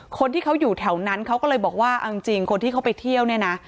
คนที่เขาอยู่แถวนั้นเขาก็เลยบอกว่าเอาจริงคนที่เขาไปเที่ยวเนี่ยนะ